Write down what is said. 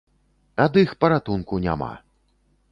Ад іх паратунку няма.